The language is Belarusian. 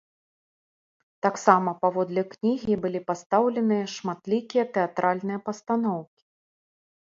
Таксама паводле кнігі былі пастаўленыя шматлікія тэатральныя пастаноўкі.